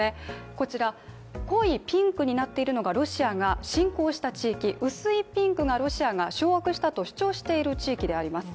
こちら、濃いピンクになっているのがロシアが侵攻した地域薄いピンクがロシアが掌握したと主張している地域です。